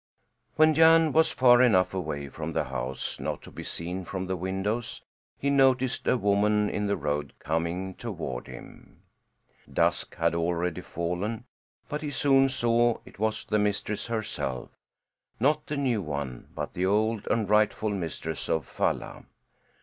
When Jan was far enough away from the house not to be seen from the windows he noticed a woman in the road coming toward him. Dusk had already fallen, but he soon saw it was the mistress herself not the new one, but the old and rightful mistress of Falla.